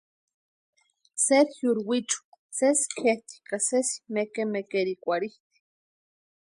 Sergiori wichu sési kʼetʼi ka sési mekemekerhikwarhitʼi.